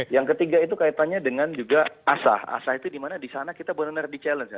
yang ketiga itu kaitannya dengan juga asah asah itu dimana di sana kita benar benar di challenge ya